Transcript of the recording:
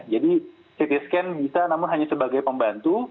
jadi ct scan bisa namun hanya sebagai pembantu